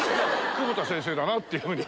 久保田先生だなっていうふうに。